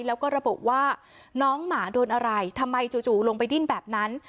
แล้วก็ระบุว่าน้องหมาโดนอะไรทำไมจู่ลงไปดิ้นแบบนั้น